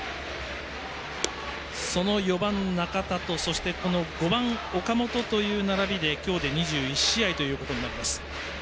その４番、中田と５番の岡本という並びで今日で２１試合ということになります。